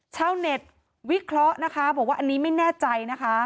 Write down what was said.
ชาวเน็ตวิเคราะห์บอกว่าอันนี้ไม่แน่ใจ